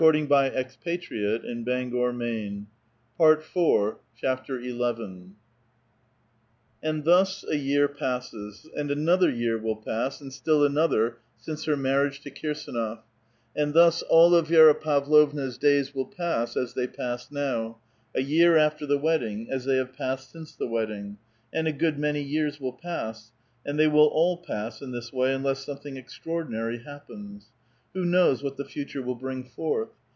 Poor women, how few among you have this happiness I XI. And thus a year passes ; and another year will pass, and still another since her inarriage to Kirsdnof ; and thus all of Vi^ra Pavlovna*s days will pass as they pass now, a year after the wedding, as they have passed since the wedding : and a good many years will pass ; and they will all pass in this way unless something extraordinary happens. Who knows what the future will bring forth?